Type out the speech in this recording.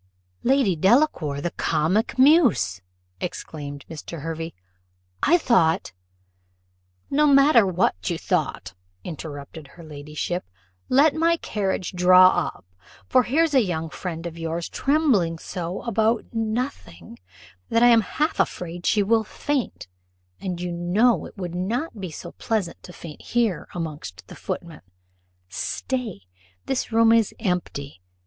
"Lady Delacour, the comic muse!" exclaimed Mr. Hervey. "I thought " "No matter what you thought," interrupted her ladyship. "Let my carriage draw up, for here's a young friend of yours trembling so about nothing, that I am half afraid she will faint; and you know it would not be so pleasant to faint here amongst footmen. Stay! this room is empty.